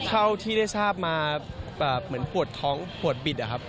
เท่าที่ได้ทราบมาแบบเหมือนปวดท้องปวดบิดอะครับ